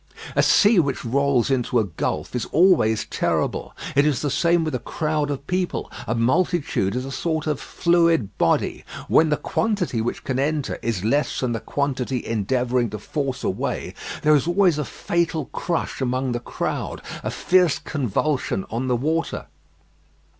A sea which rolls into a gulf is always terrible. It is the same with a crowd of people: a multitude is a sort of fluid body. When the quantity which can enter is less than the quantity endeavouring to force a way, there is a fatal crush among the crowd, a fierce convulsion on the water.